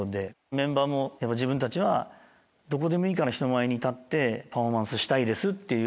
メンバーも「自分たちはどこでもいいから人前に立ってパフォーマンスしたいです」って。